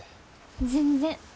全然。